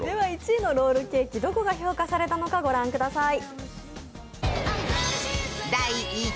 １位のロールケーキ、どこが評価されたのか御覧ください。